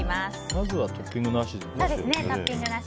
まずトッピングなしで。